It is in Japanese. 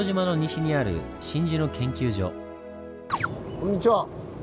こんにちは！